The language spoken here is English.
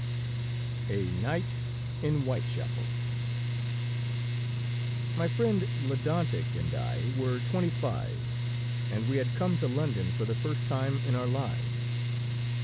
A NIGHT IN WHITECHAPEL My friend Ledantec and I were twenty five and we had come to London for the first time in our lives.